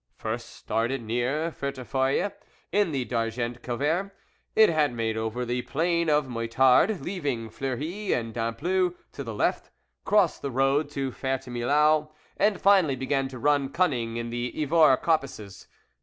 First started near Vertefeuille, in the Dargent covert, it had made over the plain of Meutard, leaving Fleury and Dampleux to the left, crossed the road tt ;Fert6 Milou, and finally begun to run cunning in the Ivors coppices.